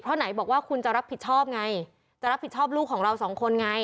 เพราะไหนบอกว่าคุณจะรับผิดชอบไงจะรับผิดชอบลูกของเราสองคนไง